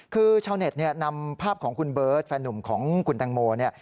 คือชาวเน็ตเนี่ยนำภาพของคุณเบิร์ตแฟนหนุ่มของคุณแตงโมเนี่ย